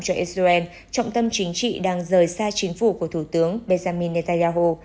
cho israel trọng tâm chính trị đang rời xa chính phủ của thủ tướng benjamin netanyahu